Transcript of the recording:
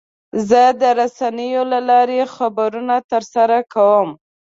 زه د رسنیو له لارې خبرونه ترلاسه کوم.